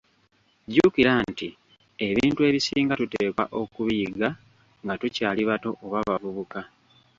Jjukira nti ebintu ebisinga tuteekwa okubiyiga nga tukyali bato oba bavubuka.